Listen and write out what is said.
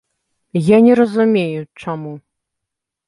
Я не разумею, чаму.